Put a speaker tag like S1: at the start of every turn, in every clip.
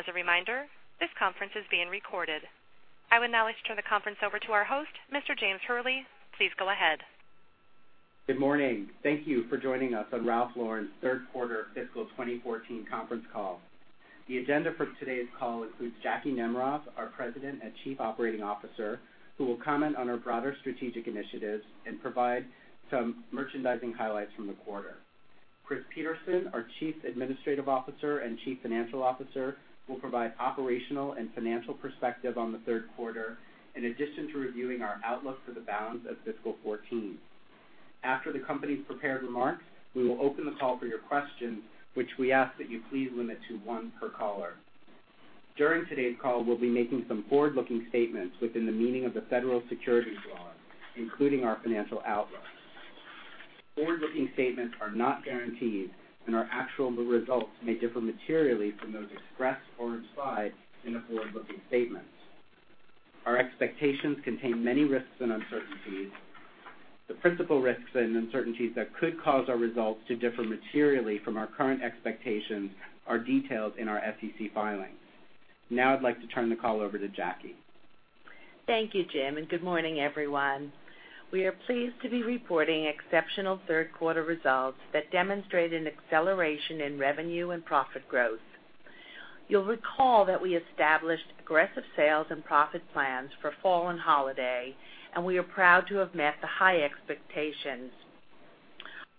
S1: As a reminder, this conference is being recorded. I would now like to turn the conference over to our host, Mr. James Hurley. Please go ahead.
S2: Good morning. Thank you for joining us on Ralph Lauren's third quarter fiscal 2014 conference call. The agenda for today's call includes Jackie Nemerov, our President and Chief Operating Officer, who will comment on our broader strategic initiatives and provide some merchandising highlights from the quarter. Chris Peterson, our Chief Administrative Officer and Chief Financial Officer, will provide operational and financial perspective on the third quarter, in addition to reviewing our outlook for the balance of fiscal 2014. After the company's prepared remarks, we will open the call for your questions, which we ask that you please limit to one per caller. During today's call, we'll be making some forward-looking statements within the meaning of the federal securities laws, including our financial outlook. Forward-looking statements are not guaranteed, and our actual results may differ materially from those expressed or implied in the forward-looking statements. Our expectations contain many risks and uncertainties. The principal risks and uncertainties that could cause our results to differ materially from our current expectations are detailed in our SEC filings. Now I'd like to turn the call over to Jackie.
S3: Thank you, Jim, and good morning, everyone. We are pleased to be reporting exceptional third-quarter results that demonstrate an acceleration in revenue and profit growth. You'll recall that we established aggressive sales and profit plans for fall and holiday, and we are proud to have met the high expectations.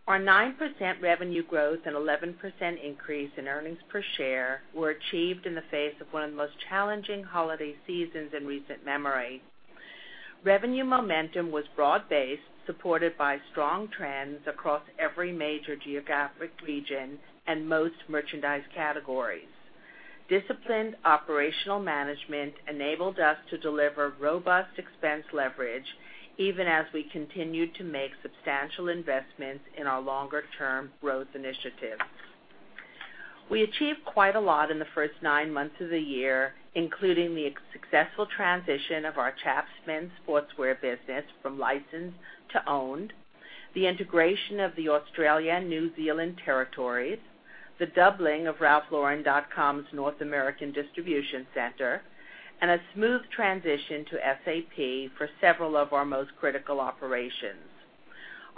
S3: Our 9% revenue growth and 11% increase in earnings per share were achieved in the face of one of the most challenging holiday seasons in recent memory. Revenue momentum was broad-based, supported by strong trends across every major geographic region and most merchandise categories. Disciplined operational management enabled us to deliver robust expense leverage, even as we continued to make substantial investments in our longer-term growth initiatives. We achieved quite a lot in the first nine months of the year, including the successful transition of our Chaps men's sportswear business from licensed to owned, the integration of the Australia and New Zealand territories, the doubling of ralphlauren.com's North American distribution center, and a smooth transition to SAP for several of our most critical operations.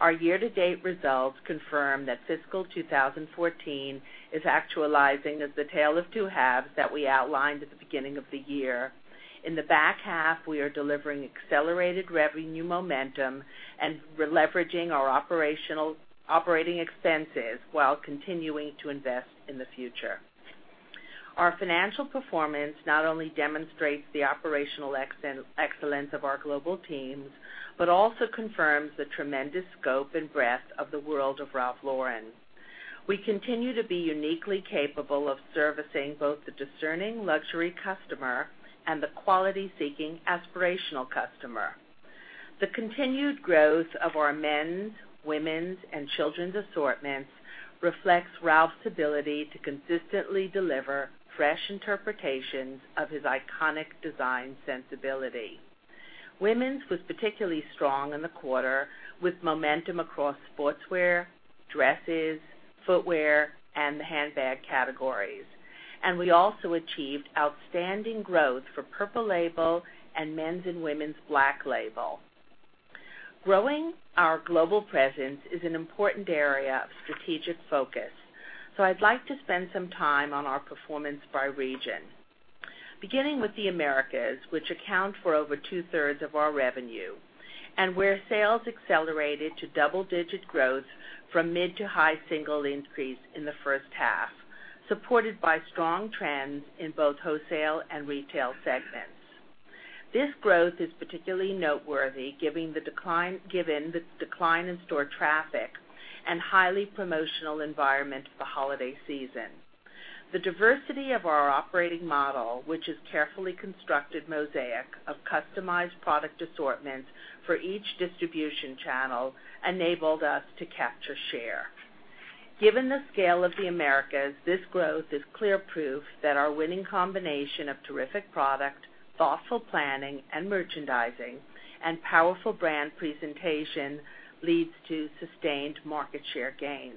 S3: Our year-to-date results confirm that fiscal 2014 is actualizing as the tale of two halves that we outlined at the beginning of the year. In the back half, we are delivering accelerated revenue momentum and leveraging our operating expenses while continuing to invest in the future. Our financial performance not only demonstrates the operational excellence of our global teams, but also confirms the tremendous scope and breadth of the world of Ralph Lauren. We continue to be uniquely capable of servicing both the discerning luxury customer and the quality-seeking aspirational customer. The continued growth of our men's, women's, and children's assortments reflects Ralph's ability to consistently deliver fresh interpretations of his iconic design sensibility. Women's was particularly strong in the quarter, with momentum across sportswear, dresses, footwear, and the handbag categories. We also achieved outstanding growth for Purple Label and men's and women's Black Label. Growing our global presence is an important area of strategic focus. I'd like to spend some time on our performance by region. Beginning with the Americas, which account for over two-thirds of our revenue, and where sales accelerated to double-digit growth from mid to high single increase in the first half, supported by strong trends in both wholesale and retail segments. This growth is particularly noteworthy given the decline in store traffic and highly promotional environment of the holiday season. The diversity of our operating model, which is a carefully constructed mosaic of customized product assortments for each distribution channel, enabled us to capture share. Given the scale of the Americas, this growth is clear proof that our winning combination of terrific product, thoughtful planning and merchandising, and powerful brand presentation leads to sustained market share gains.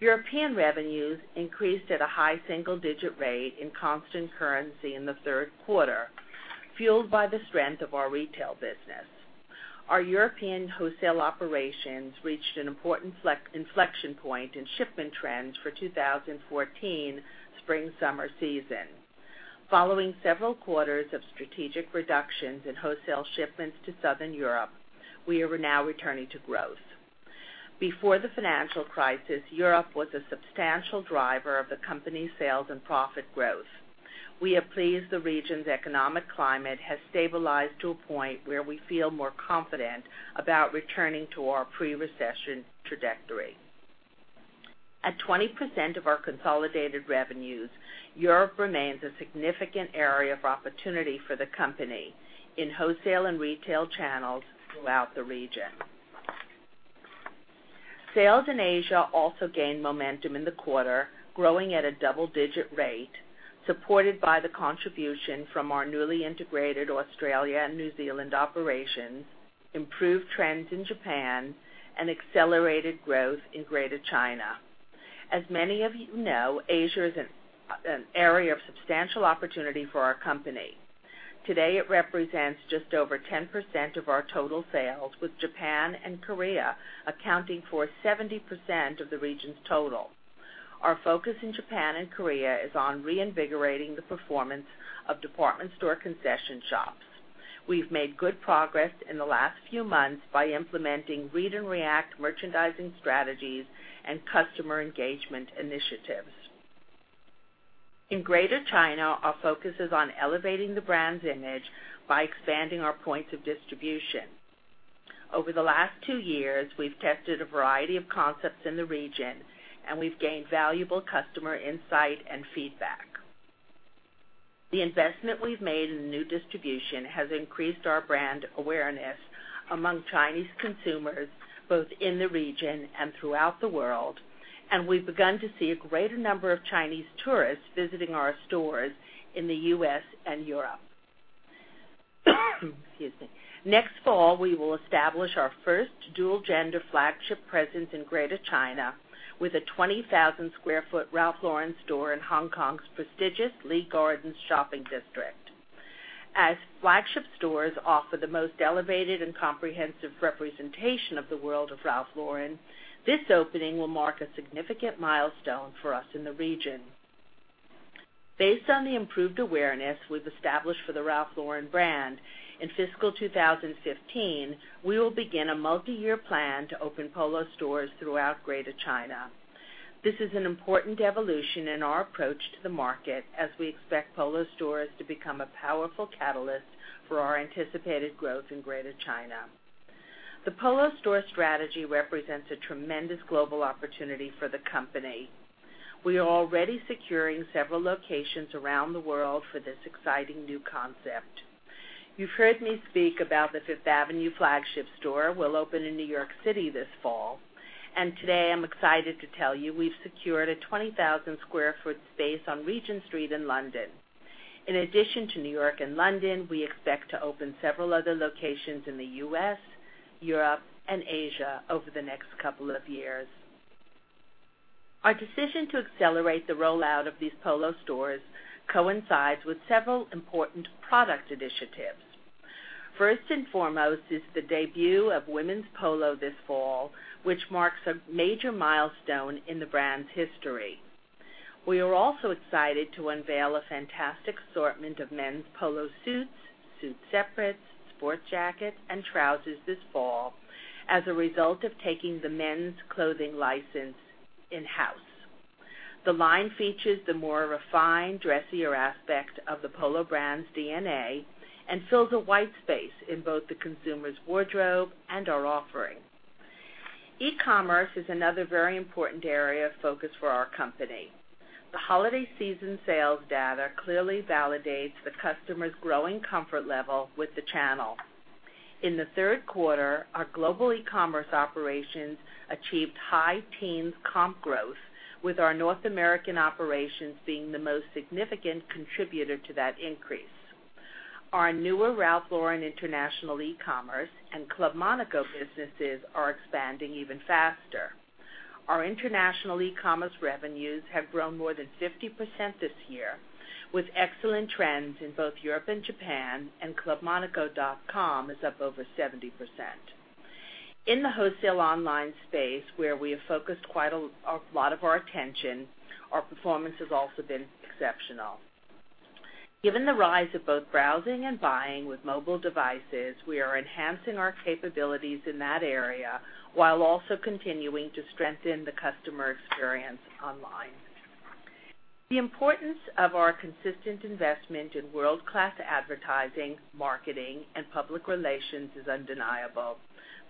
S3: European revenues increased at a high single-digit rate in constant currency in the third quarter, fueled by the strength of our retail business. Our European wholesale operations reached an important inflection point in shipment trends for 2014 spring-summer season. Following several quarters of strategic reductions in wholesale shipments to Southern Europe, we are now returning to growth. Before the financial crisis, Europe was a substantial driver of the company's sales and profit growth. We are pleased the region's economic climate has stabilized to a point where we feel more confident about returning to our pre-recession trajectory. At 20% of our consolidated revenues, Europe remains a significant area of opportunity for the company in wholesale and retail channels throughout the region. Sales in Asia also gained momentum in the quarter, growing at a double-digit rate, supported by the contribution from our newly integrated Australia and New Zealand operations. Improved trends in Japan and accelerated growth in Greater China. As many of you know, Asia is an area of substantial opportunity for our company. Today, it represents just over 10% of our total sales, with Japan and Korea accounting for 70% of the region's total. Our focus in Japan and Korea is on reinvigorating the performance of department store concession shops. We've made good progress in the last few months by implementing read and react merchandising strategies and customer engagement initiatives. In Greater China, our focus is on elevating the brand's image by expanding our points of distribution. Over the last two years, we've tested a variety of concepts in the region, and we've gained valuable customer insight and feedback. The investment we've made in new distribution has increased our brand awareness among Chinese consumers, both in the region and throughout the world, and we've begun to see a greater number of Chinese tourists visiting our stores in the U.S. and Europe. Excuse me. Next fall, we will establish our first dual-gender flagship presence in Greater China with a 20,000 square foot Ralph Lauren store in Hong Kong's prestigious Lee Gardens shopping district. As flagship stores offer the most elevated and comprehensive representation of the world of Ralph Lauren, this opening will mark a significant milestone for us in the region. Based on the improved awareness we've established for the Ralph Lauren brand, in fiscal 2015, we will begin a multi-year plan to open Polo stores throughout Greater China. This is an important evolution in our approach to the market, as we expect Polo stores to become a powerful catalyst for our anticipated growth in Greater China. The Polo store strategy represents a tremendous global opportunity for the company. We are already securing several locations around the world for this exciting new concept. You've heard me speak about the Fifth Avenue flagship store we'll open in New York City this fall, and today I'm excited to tell you we've secured a 20,000 square foot space on Regent Street in London. In addition to New York and London, we expect to open several other locations in the U.S., Europe, and Asia over the next couple of years. Our decision to accelerate the rollout of these Polo stores coincides with several important product initiatives. First and foremost is the debut of women's Polo this fall, which marks a major milestone in the brand's history. We are also excited to unveil a fantastic assortment of men's Polo suits, suit separates, sports jacket, and trousers this fall as a result of taking the men's clothing license in-house. The line features the more refined, dressier aspect of the Polo brand's DNA and fills a white space in both the consumer's wardrobe and our offering. E-commerce is another very important area of focus for our company. The holiday season sales data clearly validates the customer's growing comfort level with the channel. In the third quarter, our global e-commerce operations achieved high teens comp growth, with our North American operations being the most significant contributor to that increase. Our newer Ralph Lauren international e-commerce and Club Monaco businesses are expanding even faster. Our international e-commerce revenues have grown more than 50% this year, with excellent trends in both Europe and Japan, and clubmonaco.com is up over 70%. In the wholesale online space, where we have focused quite a lot of our attention, our performance has also been exceptional. Given the rise of both browsing and buying with mobile devices, we are enhancing our capabilities in that area while also continuing to strengthen the customer experience online. The importance of our consistent investment in world-class advertising, marketing, and public relations is undeniable,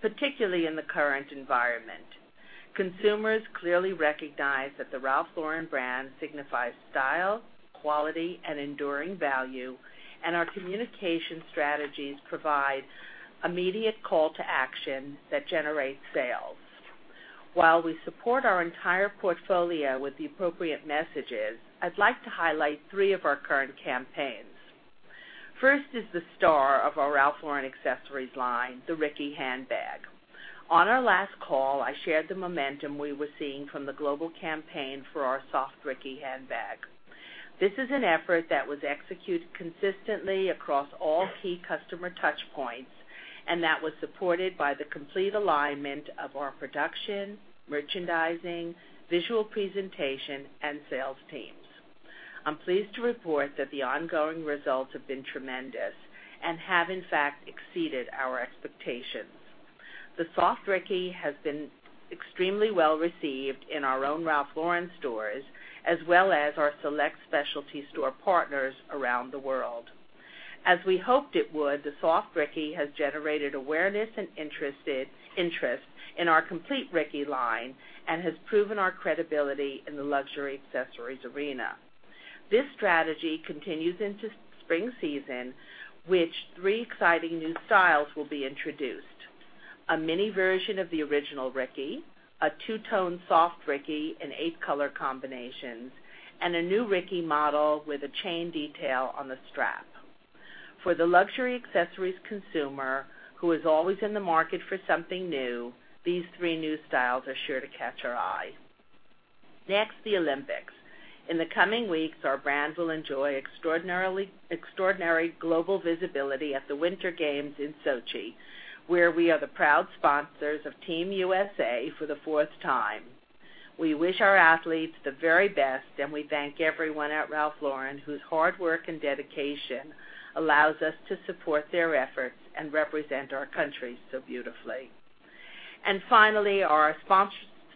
S3: particularly in the current environment. Consumers clearly recognize that the Ralph Lauren brand signifies style, quality, and enduring value, and our communication strategies provide immediate call to action that generates sales. While we support our entire portfolio with the appropriate messages, I'd like to highlight three of our current campaigns. First is the star of our Ralph Lauren accessories line, the Ricky handbag. On our last call, I shared the momentum we were seeing from the global campaign for our Soft Ricky handbag. This is an effort that was executed consistently across all key customer touch points, and that was supported by the complete alignment of our production, merchandising, visual presentation, and sales teams. I'm pleased to report that the ongoing results have been tremendous and have, in fact, exceeded our expectations. The Soft Ricky has been extremely well-received in our own Ralph Lauren stores, as well as our select specialty store partners around the world. As we hoped it would, the Soft Ricky has generated awareness and interest in our complete Ricky line and has proven our credibility in the luxury accessories arena. This strategy continues into spring season, which three exciting new styles will be introduced. A mini version of the original Ricky, a two-tone Soft Ricky in eight color combinations, and a new Ricky model with a chain detail on the strap. For the luxury accessories consumer who is always in the market for something new, these three new styles are sure to catch her eye. Next, the Olympics. In the coming weeks, our brands will enjoy extraordinary global visibility at the Winter Games in Sochi, where we are the proud sponsors of Team USA for the fourth time. We wish our athletes the very best, and we thank everyone at Ralph Lauren whose hard work and dedication allows us to support their efforts and represent our country so beautifully. Finally, our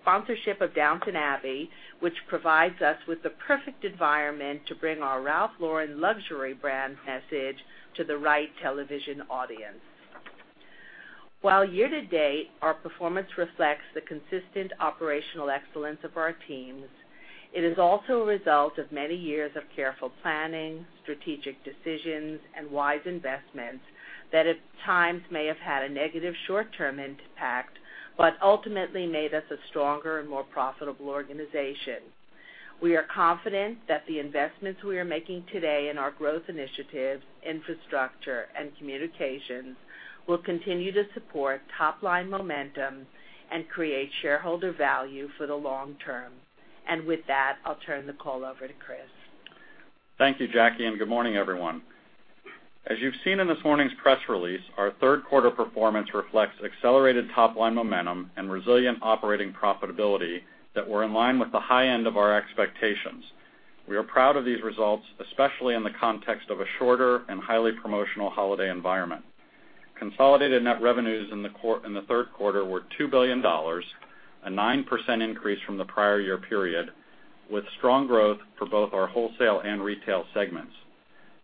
S3: sponsorship of "Downton Abbey," which provides us with the perfect environment to bring our Ralph Lauren luxury brand message to the right television audience. While year-to-date, our performance reflects the consistent operational excellence of our teams, it is also a result of many years of careful planning, strategic decisions, and wise investments that at times may have had a negative short-term impact, but ultimately made us a stronger and more profitable organization. We are confident that the investments we are making today in our growth initiatives, infrastructure, and communications will continue to support top-line momentum and create shareholder value for the long term. With that, I'll turn the call over to Chris.
S4: Thank you, Jackie, and good morning, everyone. As you've seen in this morning's press release, our third quarter performance reflects accelerated top-line momentum and resilient operating profitability that were in line with the high end of our expectations. We are proud of these results, especially in the context of a shorter and highly promotional holiday environment. Consolidated net revenues in the third quarter were $2 billion, a 9% increase from the prior year period, with strong growth for both our wholesale and retail segments.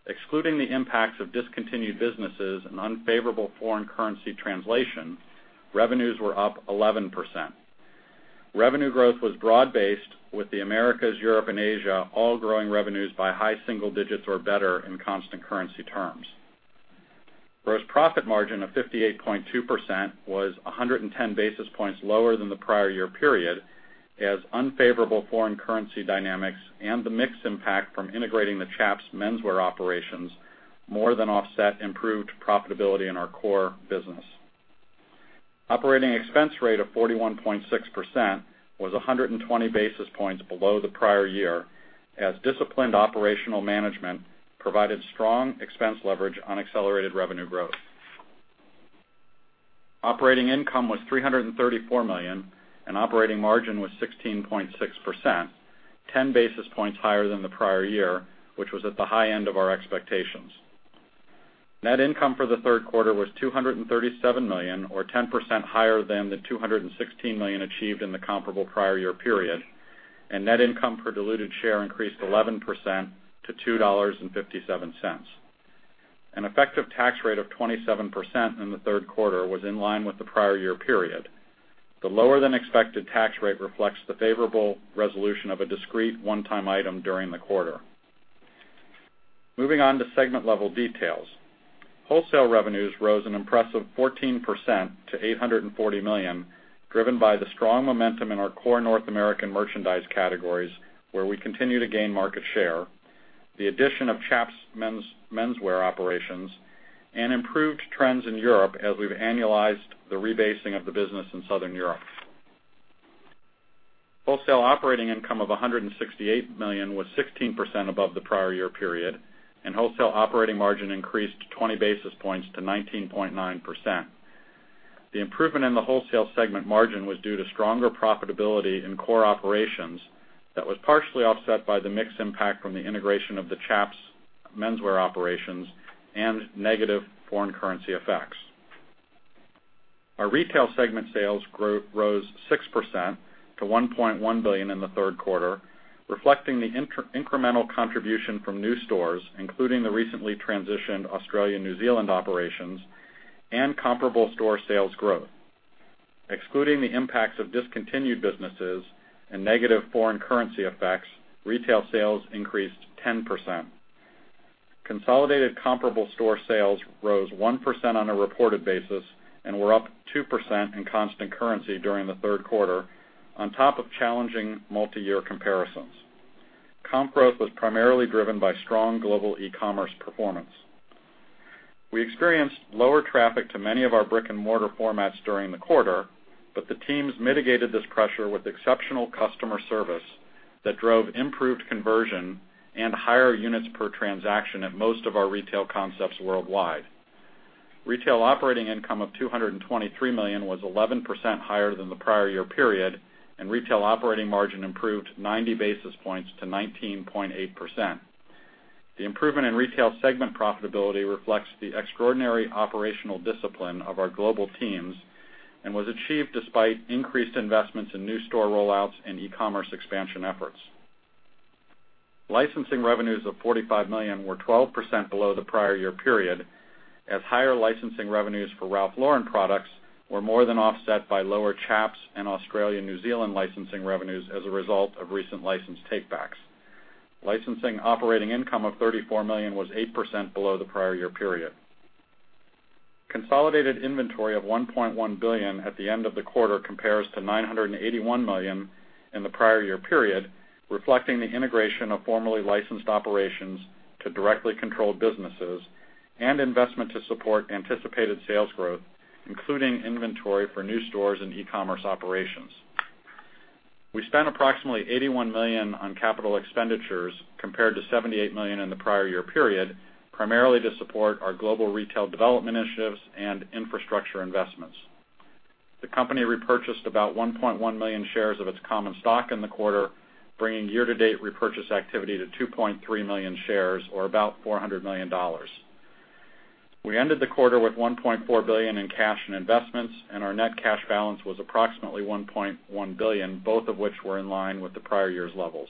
S4: Excluding the impacts of discontinued businesses and unfavorable foreign currency translation, revenues were up 11%. Revenue growth was broad-based, with the Americas, Europe, and Asia all growing revenues by high single digits or better in constant currency terms. Gross profit margin of 58.2% was 110 basis points lower than the prior year period, as unfavorable foreign currency dynamics and the mix impact from integrating the Chaps menswear operations more than offset improved profitability in our core business. Operating expense rate of 41.6% was 120 basis points below the prior year, as disciplined operational management provided strong expense leverage on accelerated revenue growth. Operating income was $334 million, and operating margin was 16.6%, 10 basis points higher than the prior year, which was at the high end of our expectations. Net income for the third quarter was $237 million, or 10% higher than the $216 million achieved in the comparable prior year period, and net income per diluted share increased 11% to $2.57. An effective tax rate of 27% in the third quarter was in line with the prior year period. The lower-than-expected tax rate reflects the favorable resolution of a discrete one-time item during the quarter. Moving on to segment level details. Wholesale revenues rose an impressive 14% to $840 million, driven by the strong momentum in our core North American merchandise categories, where we continue to gain market share, the addition of Chaps menswear operations, and improved trends in Europe as we've annualized the rebasing of the business in Southern Europe. Wholesale operating income of $168 million was 16% above the prior year period, and wholesale operating margin increased 20 basis points to 19.9%. The improvement in the wholesale segment margin was due to stronger profitability in core operations that was partially offset by the mix impact from the integration of the Chaps menswear operations and negative foreign currency effects. Our retail segment sales rose 6% to $1.1 billion in the third quarter, reflecting the incremental contribution from new stores, including the recently transitioned Australia-New Zealand operations, and comparable store sales growth. Excluding the impacts of discontinued businesses and negative foreign currency effects, retail sales increased 10%. Consolidated comparable store sales rose 1% on a reported basis and were up 2% in constant currency during the third quarter, on top of challenging multi-year comparisons. Comp growth was primarily driven by strong global e-commerce performance. We experienced lower traffic to many of our brick-and-mortar formats during the quarter, but the teams mitigated this pressure with exceptional customer service that drove improved conversion and higher units per transaction at most of our retail concepts worldwide. Retail operating income of $223 million was 11% higher than the prior year period, and retail operating margin improved 90 basis points to 19.8%. The improvement in retail segment profitability reflects the extraordinary operational discipline of our global teams and was achieved despite increased investments in new store rollouts and e-commerce expansion efforts. Licensing revenues of $45 million were 12% below the prior year period, as higher licensing revenues for Ralph Lauren products were more than offset by lower Chaps and Australia-New Zealand licensing revenues as a result of recent license take-backs. Licensing operating income of $34 million was 8% below the prior year period. Consolidated inventory of $1.1 billion at the end of the quarter compares to $981 million in the prior year period, reflecting the integration of formerly licensed operations to directly controlled businesses, and investment to support anticipated sales growth, including inventory for new stores and e-commerce operations. We spent approximately $81 million on capital expenditures compared to $78 million in the prior year period, primarily to support our global retail development initiatives and infrastructure investments. The company repurchased about 1.1 million shares of its common stock in the quarter, bringing year-to-date repurchase activity to 2.3 million shares, or about $400 million. We ended the quarter with $1.4 billion in cash and investments, and our net cash balance was approximately $1.1 billion, both of which were in line with the prior year's levels.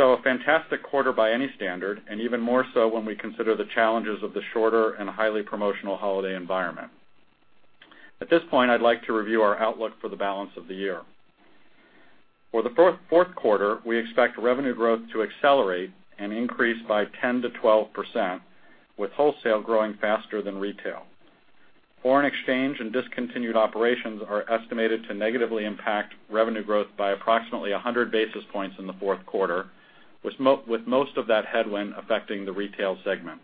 S4: A fantastic quarter by any standard, and even more so when we consider the challenges of the shorter and highly promotional holiday environment. At this point, I'd like to review our outlook for the balance of the year. For the fourth quarter, we expect revenue growth to accelerate and increase by 10%-12%, with wholesale growing faster than retail. Foreign exchange and discontinued operations are estimated to negatively impact revenue growth by approximately 100 basis points in the fourth quarter, with most of that headwind affecting the retail segment.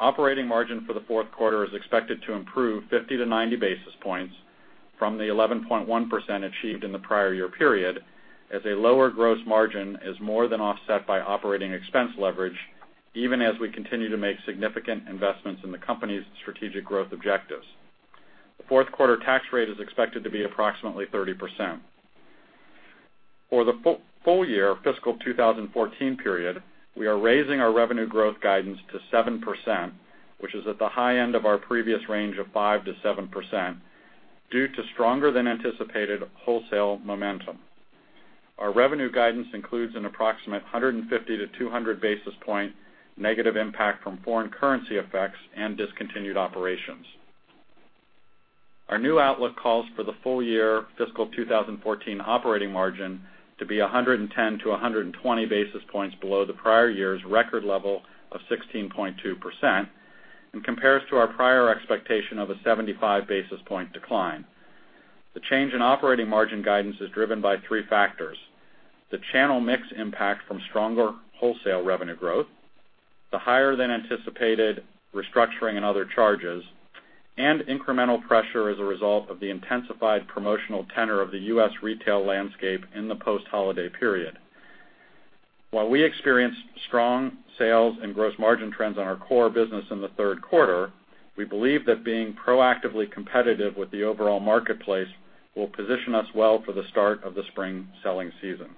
S4: Operating margin for the fourth quarter is expected to improve 50 to 90 basis points from the 11.1% achieved in the prior year period, as a lower gross margin is more than offset by operating expense leverage, even as we continue to make significant investments in the company's strategic growth objectives. The fourth quarter tax rate is expected to be approximately 30%. For the full year fiscal 2014 period, we are raising our revenue growth guidance to 7%, which is at the high end of our previous range of 5%-7%, due to stronger than anticipated wholesale momentum. Our revenue guidance includes an approximate 150 to 200 basis point negative impact from foreign currency effects and discontinued operations. Our new outlook calls for the full year fiscal 2014 operating margin to be 110 to 120 basis points below the prior year's record level of 16.2% and compares to our prior expectation of a 75 basis point decline. The change in operating margin guidance is driven by three factors. The channel mix impact from stronger wholesale revenue growth, the higher-than-anticipated restructuring and other charges, and incremental pressure as a result of the intensified promotional tenor of the U.S. retail landscape in the post-holiday period. While we experienced strong sales and gross margin trends on our core business in the third quarter, we believe that being proactively competitive with the overall marketplace will position us well for the start of the spring selling season.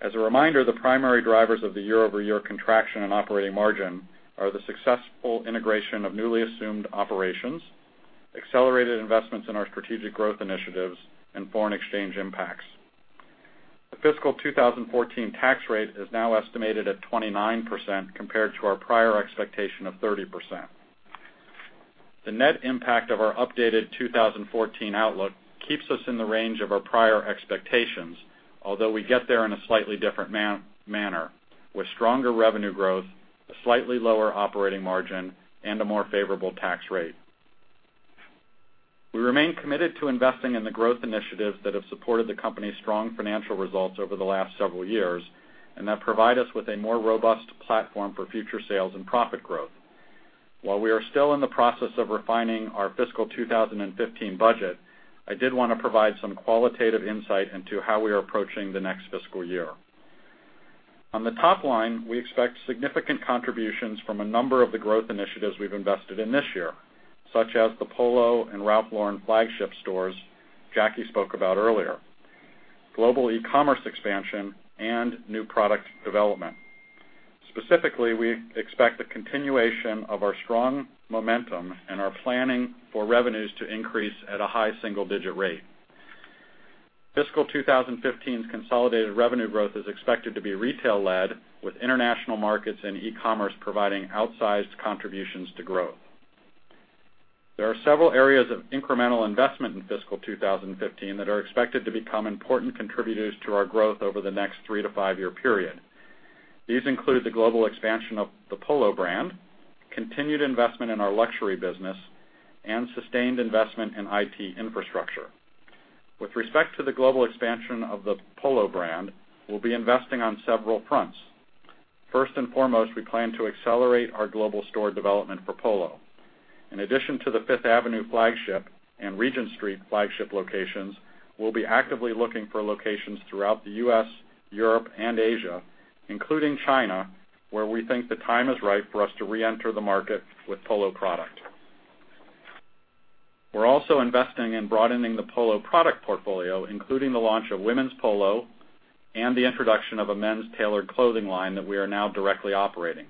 S4: As a reminder, the primary drivers of the year-over-year contraction in operating margin are the successful integration of newly assumed operations, accelerated investments in our strategic growth initiatives, and foreign exchange impacts. The fiscal 2014 tax rate is now estimated at 29%, compared to our prior expectation of 30%. The net impact of our updated 2014 outlook keeps us in the range of our prior expectations, although we get there in a slightly different manner with stronger revenue growth, a slightly lower operating margin, and a more favorable tax rate. We remain committed to investing in the growth initiatives that have supported the company's strong financial results over the last several years and that provide us with a more robust platform for future sales and profit growth. While we are still in the process of refining our fiscal 2015 budget, I did want to provide some qualitative insight into how we are approaching the next fiscal year. On the top line, we expect significant contributions from a number of the growth initiatives we've invested in this year, such as the Polo and Ralph Lauren flagship stores Jackie spoke about earlier, global e-commerce expansion, and new product development. Specifically, we expect the continuation of our strong momentum and are planning for revenues to increase at a high single-digit rate. Fiscal 2015's consolidated revenue growth is expected to be retail-led, with international markets and e-commerce providing outsized contributions to growth. There are several areas of incremental investment in fiscal 2015 that are expected to become important contributors to our growth over the next three to five-year period. These include the global expansion of the Polo brand, continued investment in our luxury business, and sustained investment in IT infrastructure. With respect to the global expansion of the Polo brand, we'll be investing on several fronts. First and foremost, we plan to accelerate our global store development for Polo. In addition to the Fifth Avenue flagship and Regent Street flagship locations, we'll be actively looking for locations throughout the U.S., Europe, and Asia, including China, where we think the time is right for us to reenter the market with Polo product. We're also investing in broadening the Polo product portfolio, including the launch of women's Polo and the introduction of a men's tailored clothing line that we are now directly operating.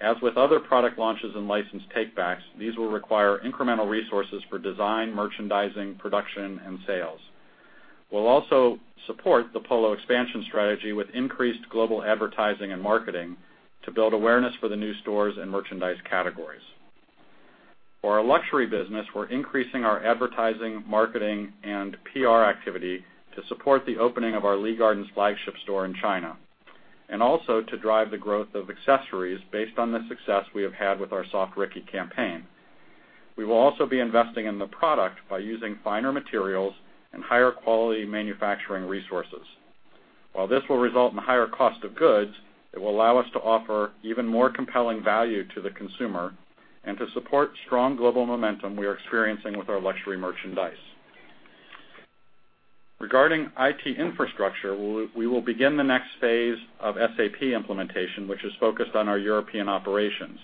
S4: As with other product launches and licensed take backs, these will require incremental resources for design, merchandising, production, and sales. We'll also support the Polo expansion strategy with increased global advertising and marketing to build awareness for the new stores and merchandise categories. For our luxury business, we're increasing our advertising, marketing, and PR activity to support the opening of our Lee Gardens flagship store in China, and also to drive the growth of accessories based on the success we have had with our Soft Ricky campaign. We will also be investing in the product by using finer materials and higher quality manufacturing resources. While this will result in higher cost of goods, it will allow us to offer even more compelling value to the consumer and to support strong global momentum we are experiencing with our luxury merchandise. Regarding IT infrastructure, we will begin the next phase of SAP implementation, which is focused on our European operations.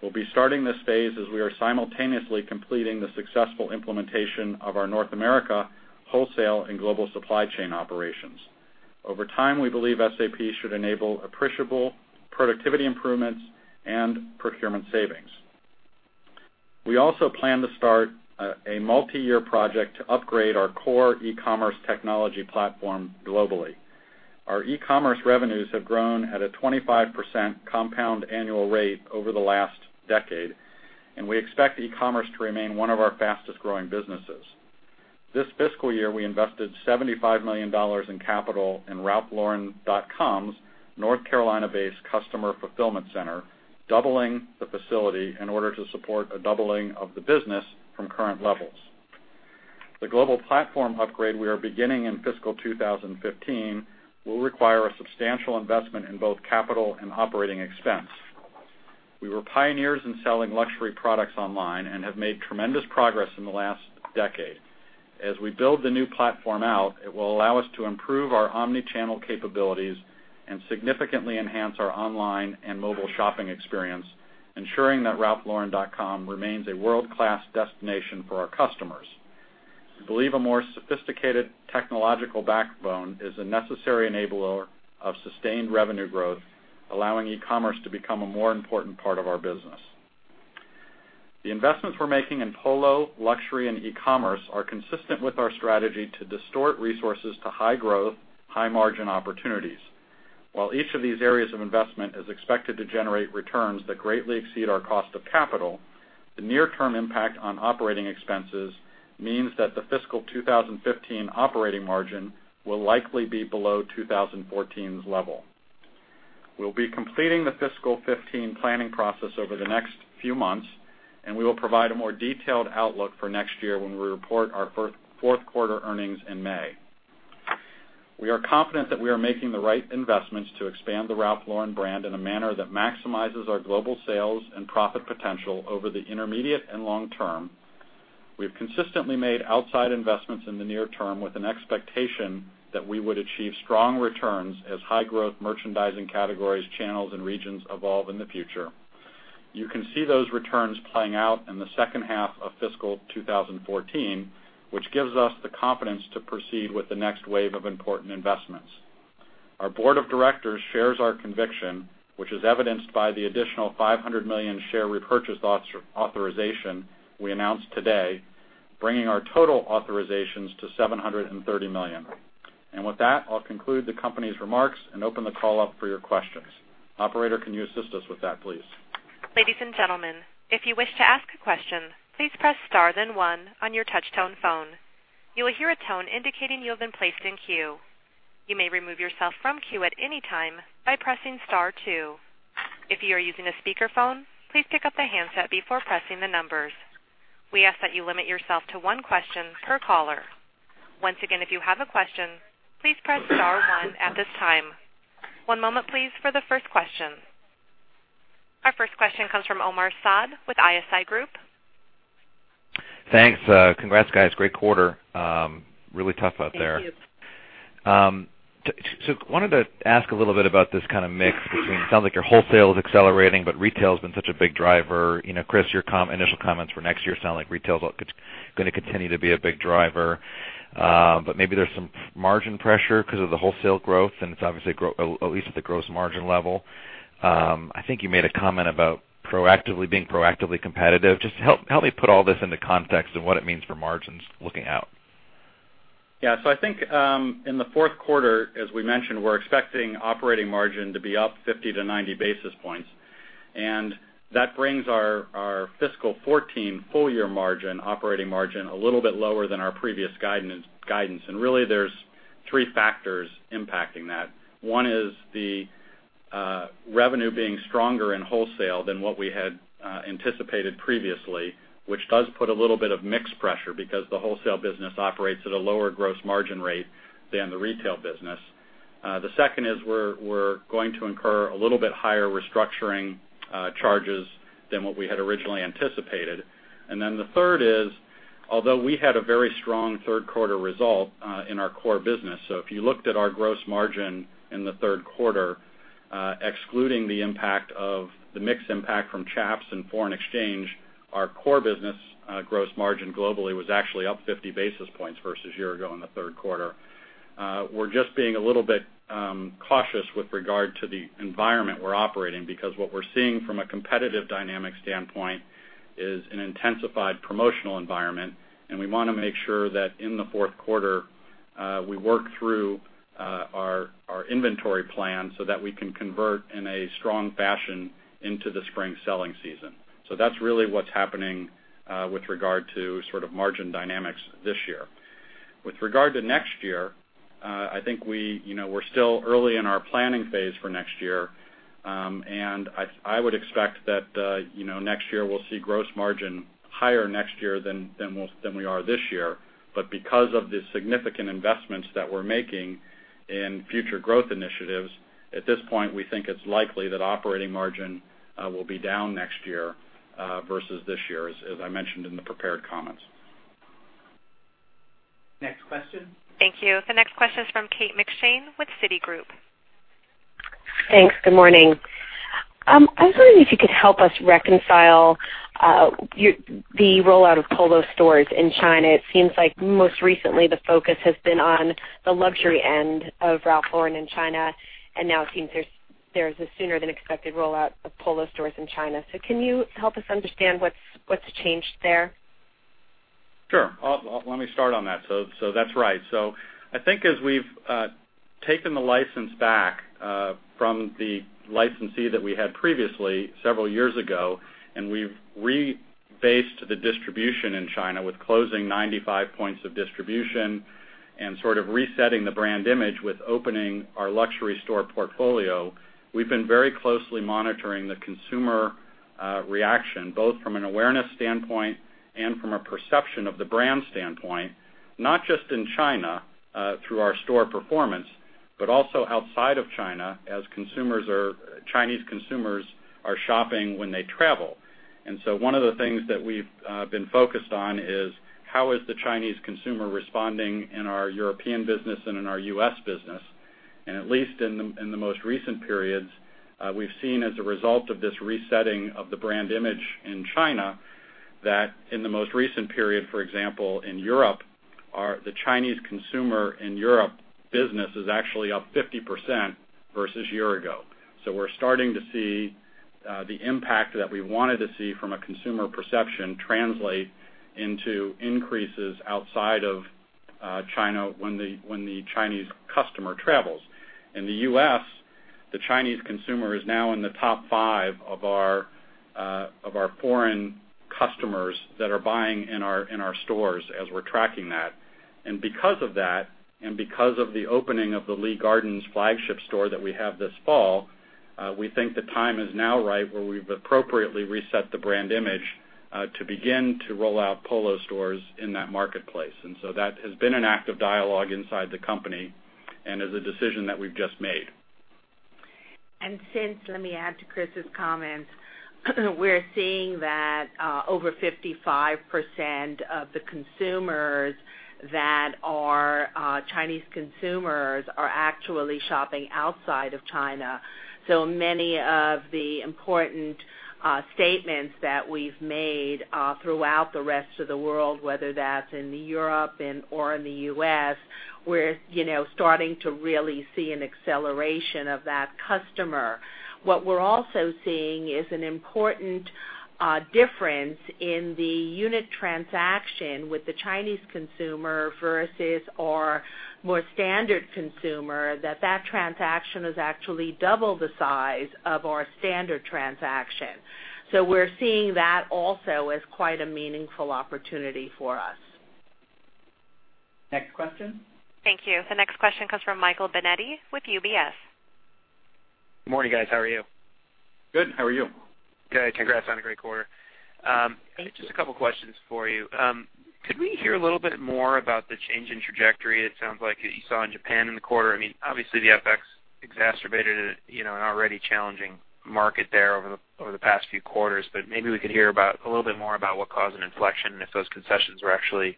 S4: We'll be starting this phase as we are simultaneously completing the successful implementation of our North America wholesale and global supply chain operations. Over time, we believe SAP should enable appreciable productivity improvements and procurement savings. We also plan to start a multi-year project to upgrade our core e-commerce technology platform globally. Our e-commerce revenues have grown at a 25% compound annual rate over the last decade, and we expect e-commerce to remain one of our fastest-growing businesses. This fiscal year, we invested $75 million in capital in ralphlauren.com's North Carolina-based customer fulfillment center, doubling the facility in order to support a doubling of the business from current levels. The global platform upgrade we are beginning in fiscal 2015 will require a substantial investment in both capital and operating expense. We were pioneers in selling luxury products online and have made tremendous progress in the last decade. As we build the new platform out, it will allow us to improve our omni-channel capabilities and significantly enhance our online and mobile shopping experience, ensuring that ralphlauren.com remains a world-class destination for our customers. We believe a more sophisticated technological backbone is a necessary enabler of sustained revenue growth, allowing e-commerce to become a more important part of our business. The investments we're making in Polo, luxury, and e-commerce are consistent with our strategy to distort resources to high growth, high margin opportunities. While each of these areas of investment is expected to generate returns that greatly exceed our cost of capital, the near-term impact on operating expenses means that the fiscal 2015 operating margin will likely be below 2014's level. We'll be completing the fiscal 2015 planning process over the next few months. We will provide a more detailed outlook for next year when we report our fourth quarter earnings in May. We are confident that we are making the right investments to expand the Ralph Lauren brand in a manner that maximizes our global sales and profit potential over the intermediate and long term. We have consistently made outsized investments in the near term with an expectation that we would achieve strong returns as high-growth merchandising categories, channels, and regions evolve in the future. You can see those returns playing out in the second half of fiscal 2014, which gives us the confidence to proceed with the next wave of important investments. Our board of directors shares our conviction, which is evidenced by the additional $500 million share repurchase authorization we announced today, bringing our total authorizations to $730 million. With that, I'll conclude the company's remarks and open the call up for your questions. Operator, can you assist us with that, please?
S1: Ladies and gentlemen, if you wish to ask a question, please press star then one on your touch tone phone. You will hear a tone indicating you have been placed in queue. You may remove yourself from queue at any time by pressing star two. If you are using a speakerphone, please pick up the handset before pressing the numbers. We ask that you limit yourself to one question per caller. Once again, if you have a question, please press star one at this time. One moment please for the first question. Our first question comes from Omar Saad with ISI Group.
S5: Thanks. Congrats, guys. Great quarter. Really tough out there.
S4: Thank you.
S5: I wanted to ask a little bit about this mix between, it sounds like your wholesale is accelerating, but retail's been such a big driver. Chris, your initial comments for next year sound like retail's going to continue to be a big driver. Maybe there's some margin pressure because of the wholesale growth, and it's obviously at least at the gross margin level. I think you made a comment about being proactively competitive. Just help me put all this into context and what it means for margins looking out.
S4: I think, in the fourth quarter, as we mentioned, we're expecting operating margin to be up 50 to 90 basis points, and that brings our fiscal 2014 full year margin, operating margin, a little bit lower than our previous guidance. Really, there's three factors impacting that. One is the revenue being stronger in wholesale than what we had anticipated previously, which does put a little bit of mix pressure because the wholesale business operates at a lower gross margin rate than the retail business. The second is we're going to incur a little bit higher restructuring charges than what we had originally anticipated. The third is, although we had a very strong third quarter result in our core business, if you looked at our gross margin in the third quarter, excluding the impact of the mix impact from Chaps and foreign exchange, our core business gross margin globally was actually up 50 basis points versus year-ago in the third quarter. We're just being a little bit cautious with regard to the environment we're operating because what we're seeing from a competitive dynamic standpoint is an intensified promotional environment, and we want to make sure that in the fourth quarter we work through our inventory plan so that we can convert in a strong fashion into the spring selling season. That's really what's happening with regard to sort of margin dynamics this year. With regard to next year, I think we're still early in our planning phase for next year. I would expect that next year we'll see gross margin higher next year than we are this year. Because of the significant investments that we're making in future growth initiatives, at this point, we think it's likely that operating margin will be down next year versus this year, as I mentioned in the prepared comments.
S2: Next question.
S1: Thank you. The next question is from Kate McShane with Citigroup.
S6: Thanks. Good morning. I was wondering if you could help us reconcile the rollout of Polo stores in China. It seems like most recently the focus has been on the luxury end of Ralph Lauren in China, and now it seems there's a sooner than expected rollout of Polo stores in China. Can you help us understand what's changed there?
S4: Sure. Let me start on that. That's right. I think as we've taken the license back from the licensee that we had previously several years ago, and we've rebased the distribution in China with closing 95 points of distribution and sort of resetting the brand image with opening our luxury store portfolio. We've been very closely monitoring the consumer reaction, both from an awareness standpoint and from a perception of the brand standpoint, not just in China through our store performance, but also outside of China as Chinese consumers are shopping when they travel. One of the things that we've been focused on is how is the Chinese consumer responding in our European business and in our U.S. business? At least in the most recent periods, we've seen as a result of this resetting of the brand image in China, that in the most recent period, for example, in Europe, the Chinese consumer in Europe business is actually up 50% versus year-ago. We're starting to see the impact that we wanted to see from a consumer perception translate into increases outside of China when the Chinese customer travels. In the U.S., the Chinese consumer is now in the top five of our foreign customers that are buying in our stores as we're tracking that. Because of that, and because of the opening of the Lee Gardens flagship store that we have this fall, we think the time is now right where we've appropriately reset the brand image to begin to roll out Polo stores in that marketplace. That has been an active dialogue inside the company and is a decision that we've just made.
S3: Since, let me add to Chris's comments, we're seeing that over 55% of the consumers that are Chinese consumers are actually shopping outside of China. Many of the important statements that we've made throughout the rest of the world, whether that's in Europe or in the U.S., we're starting to really see an acceleration of that customer. What we're also seeing is an important difference in the unit transaction with the Chinese consumer versus our more standard consumer, that that transaction is actually double the size of our standard transaction. We're seeing that also as quite a meaningful opportunity for us.
S2: Next question.
S1: Thank you. The next question comes from Michael Binetti with UBS.
S7: Good morning, guys. How are you?
S4: Good. How are you?
S7: Good. Congrats on a great quarter. Just a couple of questions for you. Could we hear a little bit more about the change in trajectory? It sounds like you saw in Japan in the quarter. Obviously, the FX exacerbated an already challenging market there over the past few quarters. Maybe we could hear a little bit more about what caused an inflection and if those concessions were actually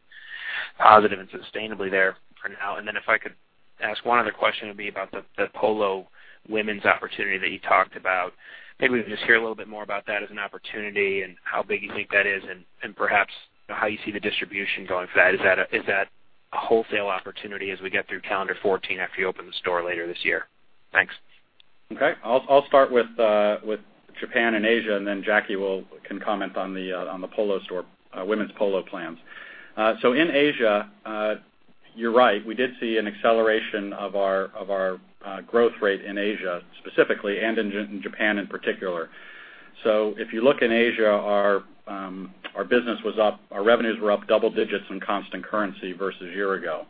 S7: positive and sustainably there for now. If I could ask one other question, it'd be about the Polo women's opportunity that you talked about. Maybe we could just hear a little bit more about that as an opportunity and how big you think that is, and perhaps how you see the distribution going for that. Is that a wholesale opportunity as we get through calendar 2014 after you open the store later this year? Thanks.
S4: Okay. I'll start with Japan and Asia. Then Jackie can comment on the women's Polo plans. In Asia, you're right. We did see an acceleration of our growth rate in Asia, specifically, and in Japan in particular. If you look in Asia, our revenues were up double digits in constant currency versus year ago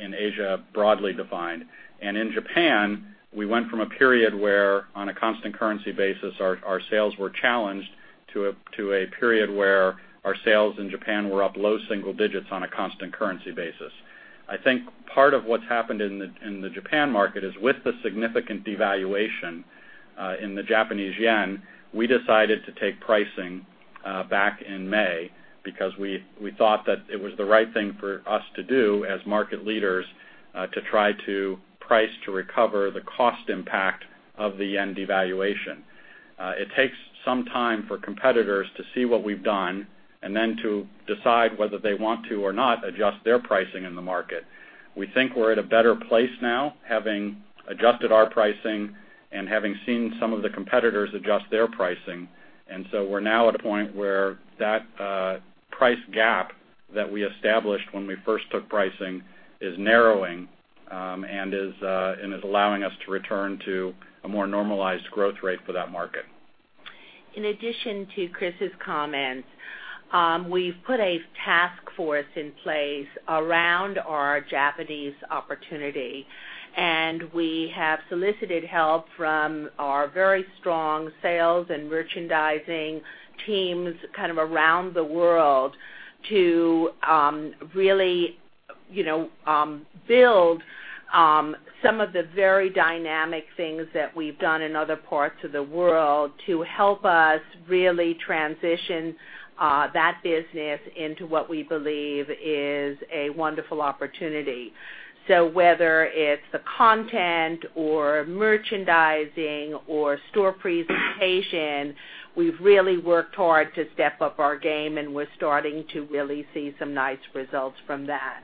S4: in Asia, broadly defined. In Japan, we went from a period where on a constant currency basis, our sales were challenged to a period where our sales in Japan were up low single digits on a constant currency basis. I think part of what's happened in the Japan market is with the significant devaluation in the Japanese yen, we decided to take pricing back in May because we thought that it was the right thing for us to do as market leaders to try to price to recover the cost impact of the yen devaluation. It takes some time for competitors to see what we've done and then to decide whether they want to or not adjust their pricing in the market. We think we're at a better place now, having adjusted our pricing and having seen some of the competitors adjust their pricing. We're now at a point where that price gap that we established when we first took pricing is narrowing, and is allowing us to return to a more normalized growth rate for that market.
S3: In addition to Chris's comments, we've put a task force in place around our Japanese opportunity, and we have solicited help from our very strong sales and merchandising teams around the world to really build some of the very dynamic things that we've done in other parts of the world to help us really transition that business into what we believe is a wonderful opportunity. Whether it's the content or merchandising or store presentation, we've really worked hard to step up our game, and we're starting to really see some nice results from that.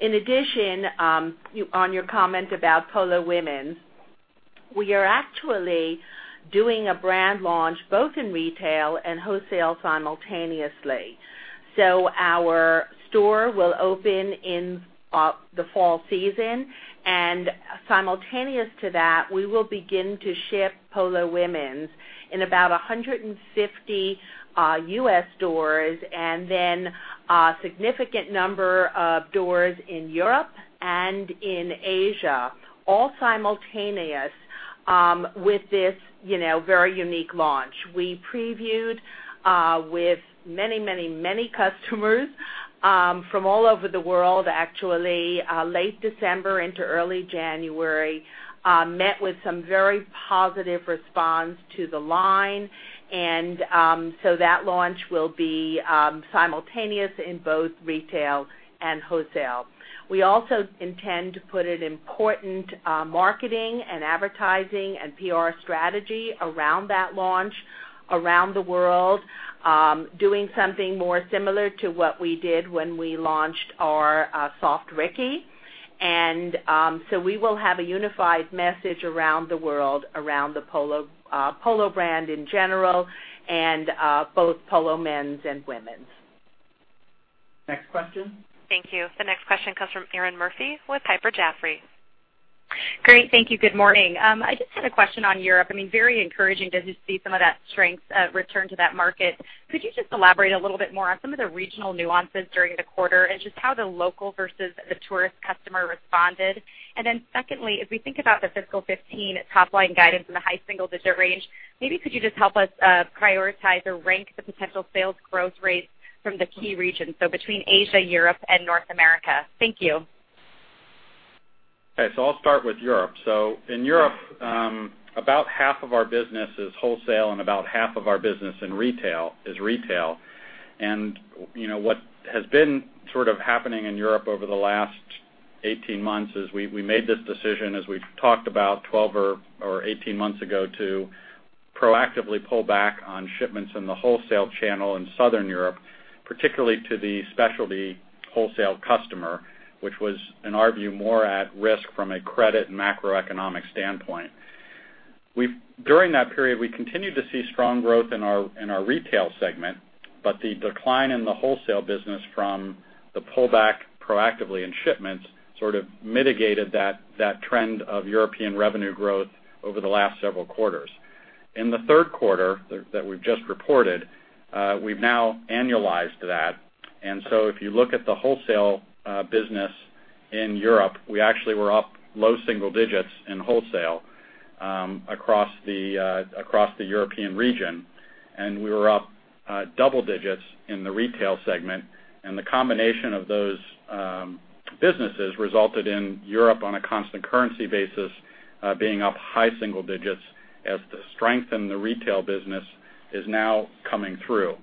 S3: In addition, on your comment about Polo women's, we are actually doing a brand launch both in retail and wholesale simultaneously. Our store will open in the fall season, and simultaneous to that, we will begin to ship Polo women's in about 150 U.S. stores and then a significant number of stores in Europe and in Asia, all simultaneous with this very unique launch. We previewed with many customers from all over the world, actually, late December into early January, met with some very positive response to the line. That launch will be simultaneous in both retail and wholesale. We also intend to put an important marketing and advertising and PR strategy around that launch around the world, doing something more similar to what we did when we launched our Soft Ricky. We will have a unified message around the world around the Polo brand in general and both Polo men's and women's.
S2: Next question.
S1: Thank you. The next question comes from Erinn Murphy with Piper Jaffray.
S8: Great. Thank you. Good morning. I just had a question on Europe. Very encouraging to see some of that strength return to that market. Could you just elaborate a little bit more on some of the regional nuances during the quarter and just how the local versus the tourist customer responded? Secondly, if we think about the fiscal 2015 top-line guidance in the high single-digit range, maybe could you just help us prioritize or rank the potential sales growth rates from the key regions, so between Asia, Europe, and North America? Thank you.
S4: I'll start with Europe. In Europe, about half of our business is wholesale and about half of our business is retail. What has been sort of happening in Europe over the last 18 months is we made this decision, as we've talked about 12 or 18 months ago, to proactively pull back on shipments in the wholesale channel in Southern Europe, particularly to the specialty wholesale customer, which was, in our view, more at risk from a credit and macroeconomic standpoint. During that period, we continued to see strong growth in our retail segment, but the decline in the wholesale business from the pull back proactively in shipments sort of mitigated that trend of European revenue growth over the last several quarters. In the third quarter that we've just reported, we've now annualized that. If you look at the wholesale business in Europe, we actually were up low single digits in wholesale across the European region, and we were up double digits in the retail segment. The combination of those businesses resulted in Europe, on a constant currency basis, being up high single digits as the strength in the retail business is now coming through.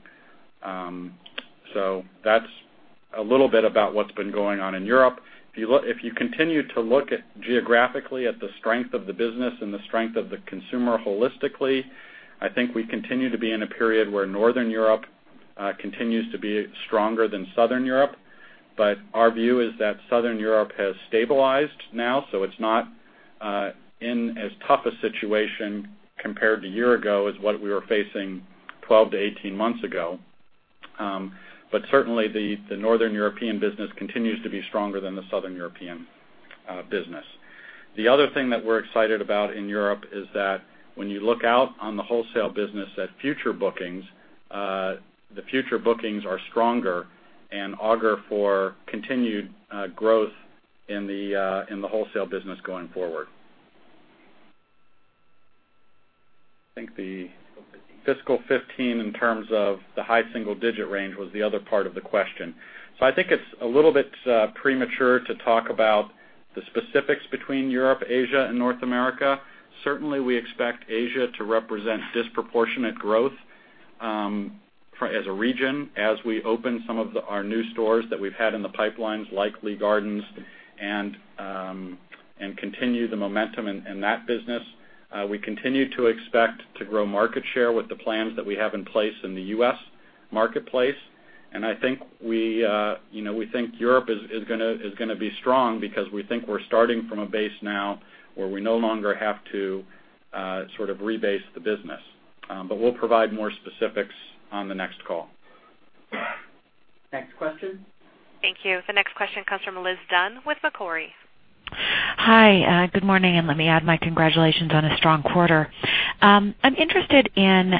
S4: That's a little bit about what's been going on in Europe. If you continue to look geographically at the strength of the business and the strength of the consumer holistically, I think we continue to be in a period where Northern Europe continues to be stronger than Southern Europe. Our view is that Southern Europe has stabilized now, so it's not in as tough a situation compared to a year ago as what we were facing 12 to 18 months ago. Certainly, the Northern European business continues to be stronger than the Southern European business. The other thing that we're excited about in Europe is that when you look out on the wholesale business at future bookings, the future bookings are stronger and augur for continued growth in the wholesale business going forward. I think the fiscal 2015 in terms of the high single-digit range was the other part of the question. I think it's a little bit premature to talk about the specifics between Europe, Asia, and North America. Certainly, we expect Asia to represent disproportionate growth as a region as we open some of our new stores that we've had in the pipelines, like Lee Gardens, and continue the momentum in that business. We continue to expect to grow market share with the plans that we have in place in the U.S. marketplace. We think Europe is going to be strong because we think we're starting from a base now where we no longer have to Sort of rebase the business. We'll provide more specifics on the next call.
S2: Next question.
S1: Thank you. The next question comes from Liz Dunn with Macquarie.
S9: Hi, good morning. Let me add my congratulations on a strong quarter. I'm interested in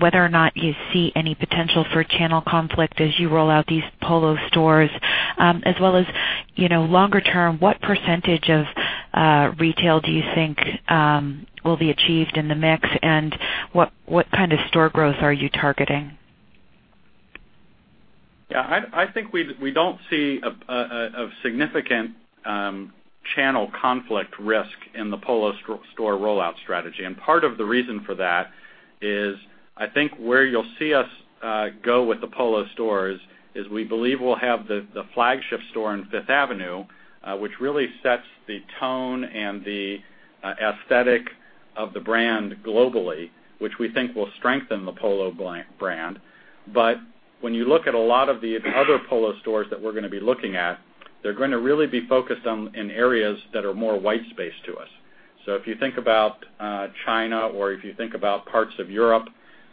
S9: whether or not you see any potential for channel conflict as you roll out these Polo stores, as well as longer-term, what % of retail do you think will be achieved in the mix, and what kind of store growth are you targeting?
S4: Yeah, I think we don't see a significant channel conflict risk in the Polo store rollout strategy. Part of the reason for that is, I think where you'll see us go with the Polo stores is we believe we'll have the flagship store on Fifth Avenue, which really sets the tone and the aesthetic of the brand globally, which we think will strengthen the Polo brand. When you look at a lot of the other Polo stores that we're going to be looking at, they're going to really be focused on areas that are more white space to us. If you think about China or if you think about parts of Europe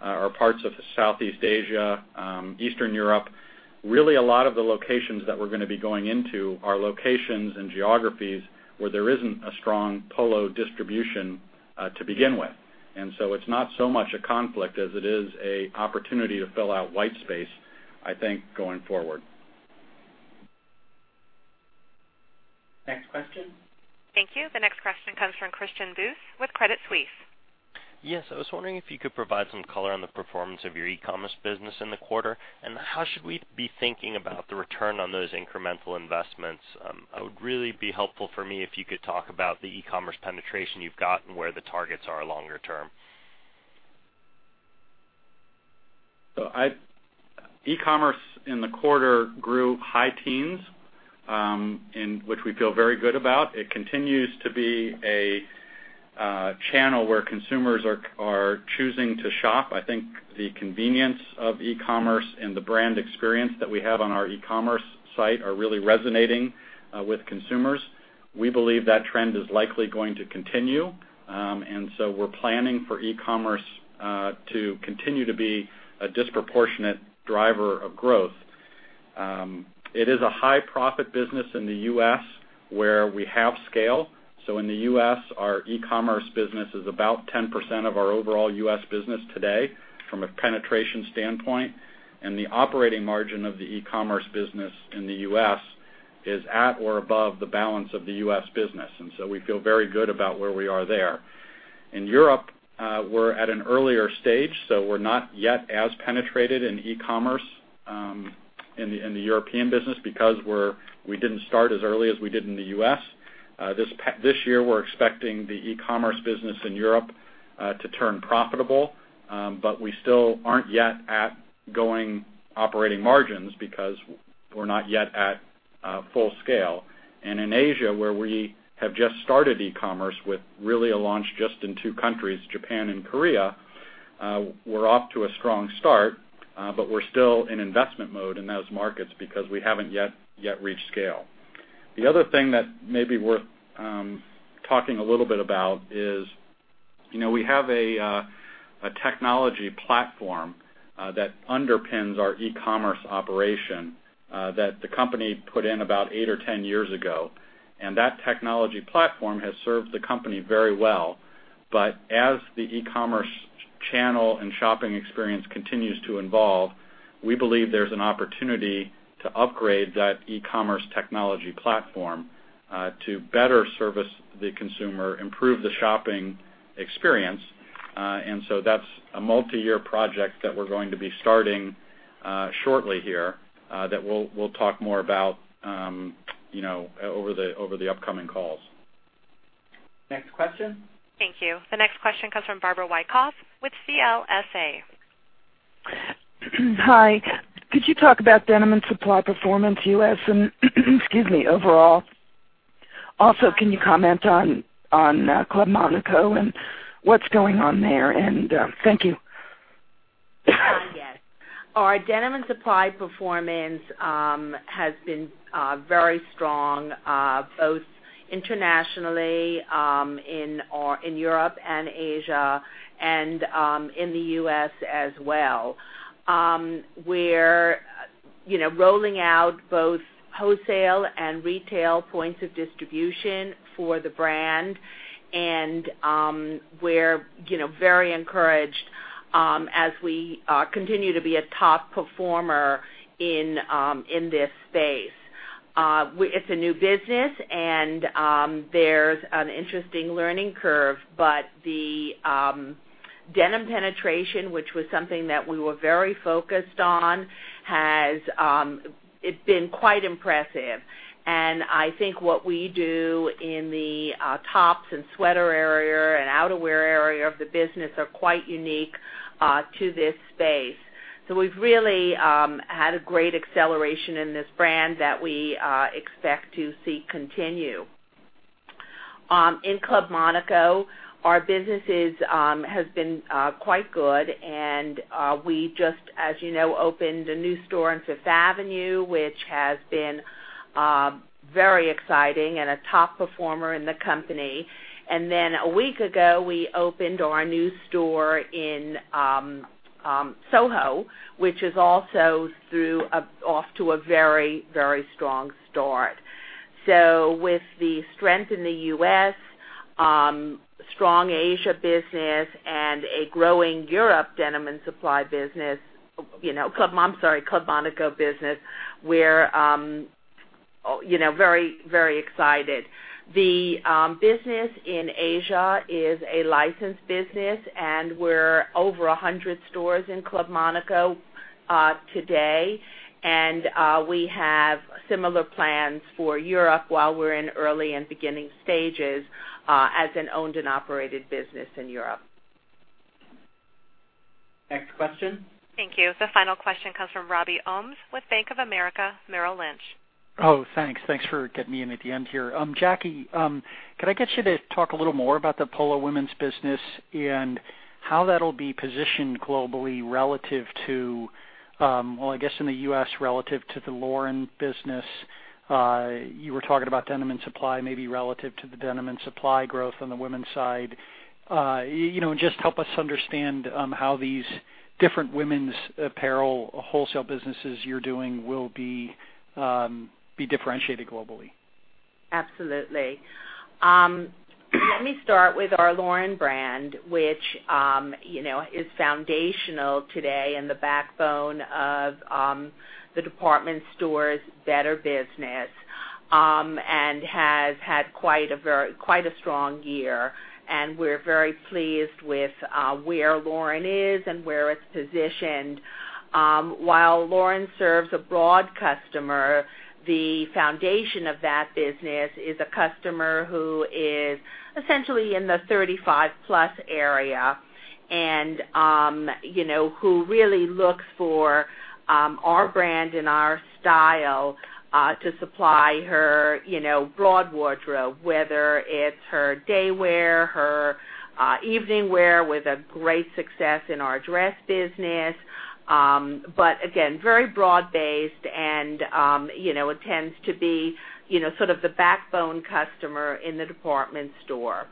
S4: or parts of Southeast Asia, Eastern Europe, really a lot of the locations that we're going to be going into are locations and geographies where there isn't a strong Polo distribution to begin with. It's not so much a conflict as it is an opportunity to fill out white space, I think, going forward.
S2: Next question.
S1: Thank you. The next question comes from Christian Buss with Credit Suisse.
S10: Yes, I was wondering if you could provide some color on the performance of your e-commerce business in the quarter, and how should we be thinking about the return on those incremental investments? It would really be helpful for me if you could talk about the e-commerce penetration you've got and where the targets are longer term.
S4: E-commerce in the quarter grew high teens, which we feel very good about. It continues to be a channel where consumers are choosing to shop. I think the convenience of e-commerce and the brand experience that we have on our e-commerce site are really resonating with consumers. We believe that trend is likely going to continue. We're planning for e-commerce to continue to be a disproportionate driver of growth. It is a high profit business in the U.S. where we have scale. In the U.S., our e-commerce business is about 10% of our overall U.S. business today from a penetration standpoint. The operating margin of the e-commerce business in the U.S. is at or above the balance of the U.S. business. We feel very good about where we are there. In Europe, we're at an earlier stage, we're not yet as penetrated in e-commerce in the European business because we didn't start as early as we did in the U.S. This year, we're expecting the e-commerce business in Europe to turn profitable. We still aren't yet at going operating margins because we're not yet at full scale. In Asia, where we have just started e-commerce with really a launch just in two countries, Japan and Korea, we're off to a strong start, but we're still in investment mode in those markets because we haven't yet reached scale. The other thing that may be worth talking a little bit about is we have a technology platform that underpins our e-commerce operation that the company put in about eight or 10 years ago. That technology platform has served the company very well. As the e-commerce channel and shopping experience continues to evolve, we believe there's an opportunity to upgrade that e-commerce technology platform to better service the consumer, improve the shopping experience. That's a multi-year project that we're going to be starting shortly here that we'll talk more about over the upcoming calls.
S2: Next question.
S1: Thank you. The next question comes from Barbara Wyckoff with CLSA.
S11: Hi. Could you talk about Denim & Supply performance U.S. and excuse me, overall? Can you comment on Club Monaco and what's going on there? Thank you.
S3: Yes. Our Denim & Supply performance has been very strong both internationally in Europe and Asia and in the U.S. as well. We're rolling out both wholesale and retail points of distribution for the brand, we're very encouraged as we continue to be a top performer in this space. It's a new business, there's an interesting learning curve, but the denim penetration, which was something that we were very focused on, has been quite impressive. I think what we do in the tops and sweater area and outerwear area of the business are quite unique to this space. We've really had a great acceleration in this brand that we expect to see continue. In Club Monaco, our businesses has been quite good. We just, as you know, opened a new store on Fifth Avenue, which has been very exciting and a top performer in the company. A week ago, we opened our new store in Soho, which is also off to a very strong start. With the strength in the U.S., strong Asia business, and a growing Europe Club Monaco business, we're very excited. The business in Asia is a licensed business, and we're over 100 stores in Club Monaco today, and we have similar plans for Europe while we're in early and beginning stages as an owned and operated business in Europe.
S2: Next question.
S1: Thank you. The final question comes from Robby Ohmes with Bank of America Merrill Lynch.
S12: Thanks. Thanks for getting me in at the end here. Jackie, could I get you to talk a little more about the Polo women's business and how that'll be positioned globally relative to, well, I guess in the U.S., relative to the Lauren business. You were talking about Denim & Supply, maybe relative to the Denim & Supply growth on the women's side. Just help us understand how these different women's apparel wholesale businesses you're doing will be differentiated globally.
S3: Absolutely. Let me start with our Lauren brand, which is foundational today and the backbone of the department store's better business, has had quite a strong year. We're very pleased with where Lauren is and where it's positioned. While Lauren serves a broad customer, the foundation of that business is a customer who is essentially in the 35-plus area, who really looks for our brand and our style to supply her broad wardrobe, whether it's her day wear, her evening wear, with a great success in our dress business. Again, very broad-based, and it tends to be sort of the backbone customer in the department store.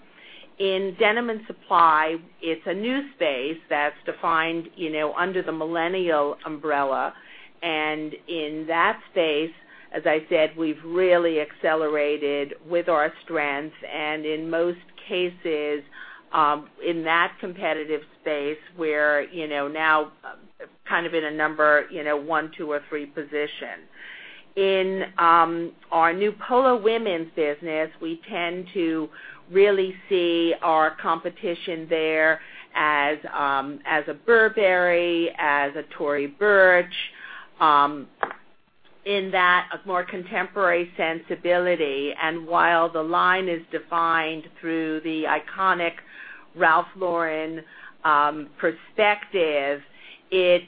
S3: In Denim & Supply, it's a new space that's defined under the millennial umbrella. In that space, as I said, we've really accelerated with our strengths, and in most cases, in that competitive space, we're now kind of in a number one, two, or three position. In our new Polo women's business, we tend to really see our competition there as a Burberry, as a Tory Burch, in that more contemporary sensibility. While the line is defined through the iconic Ralph Lauren perspective, it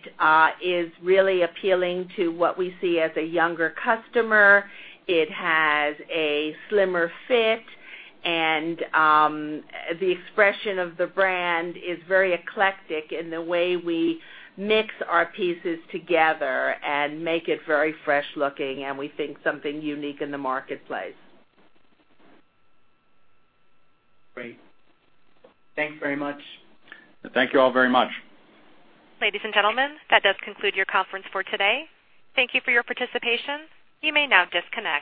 S3: is really appealing to what we see as a younger customer. It has a slimmer fit, and the expression of the brand is very eclectic in the way we mix our pieces together and make it very fresh-looking, and we think something unique in the marketplace.
S2: Great. Thanks very much.
S4: Thank you all very much.
S1: Ladies and gentlemen, that does conclude your conference for today. Thank you for your participation. You may now disconnect.